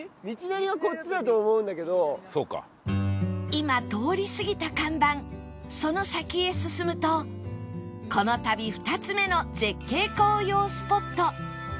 今通り過ぎた看板その先へ進むとこの旅２つ目の絶景紅葉スポット